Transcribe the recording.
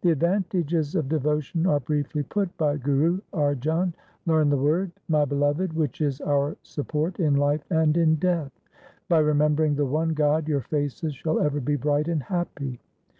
The advantages of devotion are briefly put by Guru Arjan. Learn the Word, my beloved, which is our support in life and in death. By remembering the one God your faces shall ever be bright and happy.